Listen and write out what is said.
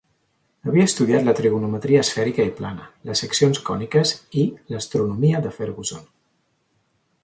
Havia estudiat la trigonometria esfèrica i plana, les seccions còniques i l'"Astronomia" de Fergusson.